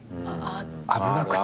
危なくて。